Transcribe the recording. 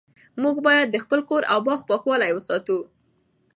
موږ باید د خپل کور او باغ پاکوالی وساتو